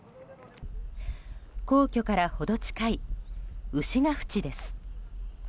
皇居から程近い牛ヶ淵です。